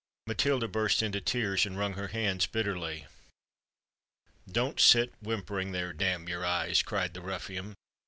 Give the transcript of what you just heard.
Matilda burst into tears, and wrung her hands bitterly. "Don't sit whimpering there, damn your eyes!" cried the ruffian.